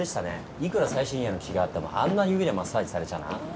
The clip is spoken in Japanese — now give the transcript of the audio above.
いくら最新鋭の機器があってもあんな指でマッサージされちゃな。